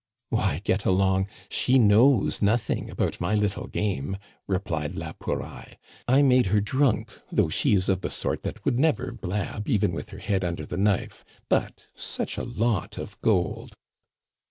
"Why, get along! She knows nothing about my little game!" replied la Pouraille. "I make her drunk, though she is of the sort that would never blab even with her head under the knife. But such a lot of gold